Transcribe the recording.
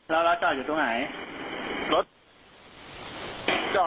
แล้วรถจอดอยู่ตรงไหน